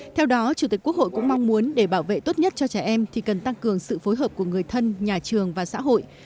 theo đó chủ tịch quốc hội cũng mong muốn để bảo vệ tốt nhất cho trẻ em thì cần tăng cường sự phối hợp của người thân nhà trường và xã hội